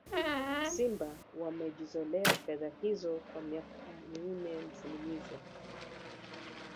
Simba wamejizolea fedha hizo kwa miaka minne mfululizo